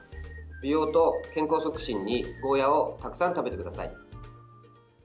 美容と健康促進に、ゴーヤーをたくさん食べてください。